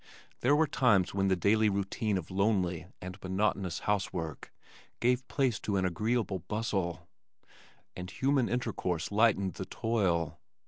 There were times when the daily routine of lonely and monotonous housework gave place to an agreeable bustle, and human intercourse lightened the toil.